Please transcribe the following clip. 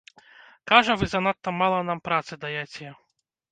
Кажа, вы занадта мала нам працы даяце.